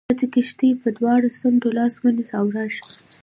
ته د کښتۍ پر دواړو څنډو لاس ونیسه او راشه.